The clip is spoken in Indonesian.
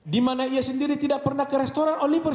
dimana ia sendiri tidak pernah ke restoran oliver